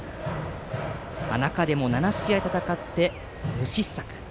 中でも７試合戦って無失策。